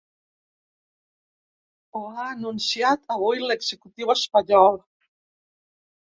Ho ha anunciat avui l’executiu espanyol.